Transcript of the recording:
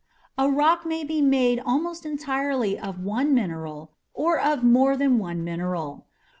A rock may be made almost entirely of one mineral or of more than one mineral.